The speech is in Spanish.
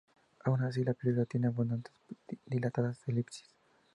Aun así, la película tiene abundantes y dilatadas elipsis.